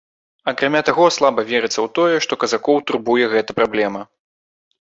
Акрамя таго, слаба верыцца ў тое, што казакоў турбуе гэта праблема.